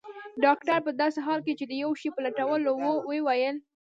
ډاکټر په داسې حال کې چي د یو شي په لټولو وو وویل.